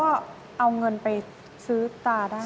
ก็เอาเงินไปซื้อตาได้